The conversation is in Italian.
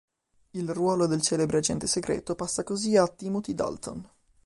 Il ruolo del celebre agente segreto passa così a Timothy Dalton.